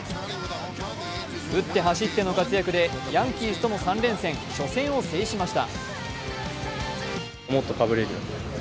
打って走っての活躍でヤンキースとの３連戦、初戦を制しました。